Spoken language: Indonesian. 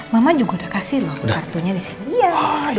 mama juga udah kasih loh kartunya disini